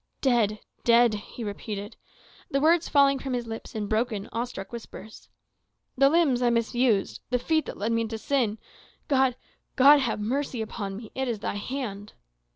"Dead dead!" he repeated, the words falling from his lips in broken, awe struck whispers. "The limbs I misused! The feet that led me into sin! God God have mercy upon me! It is thy hand!"